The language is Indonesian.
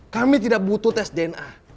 kami tidak butuh tes dna